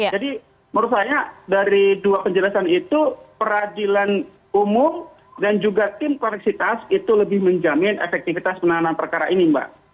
jadi menurut saya dari dua penjelasan itu peradilan umum dan juga tim koneksitas itu lebih menjamin efektivitas penanganan perkara ini mbak